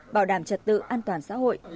bảo đảm trật tự an toàn xã hội